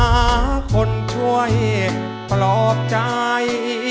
หาคนช่วยปลอบใจ